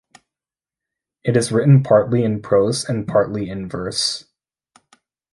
It is written partly in prose and partly in verse.